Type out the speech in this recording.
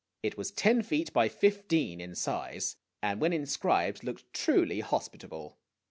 It was ten feet by fifteen in size, and when in scribed looked truly hospitable.